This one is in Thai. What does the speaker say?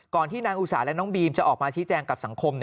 ที่นางอุสาและน้องบีมจะออกมาชี้แจงกับสังคม